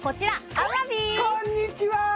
こんにちは！